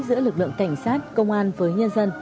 giữa lực lượng cảnh sát công an với nhân dân